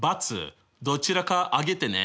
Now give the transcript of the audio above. どちらか上げてね。